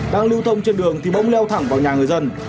đang lưu thông trên đường thì bỗng leo thẳng vào nhà người dân